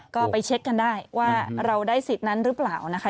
ก็ไปเช็คกันได้ว่าเราได้สิทธิ์นั้นหรือเปล่านะคะ